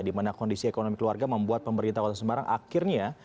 dimana kondisi ekonomi keluarga membuat pemerintah kota semarang akhirnya